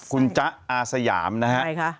คุณจ๊ะอาสยามนะฮะ